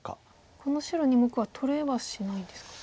この白２目は取れはしないんですか。